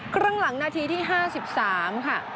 ครึ่งหลังนาทีที่๕๓ค่ะ